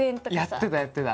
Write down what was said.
やってたやってた。